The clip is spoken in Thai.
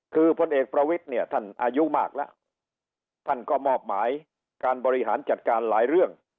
คือพลเอกประวิทย์เนี่ยท่านอายุมากแล้วท่านก็มอบหมายการบริหารจัดการหลายเรื่อง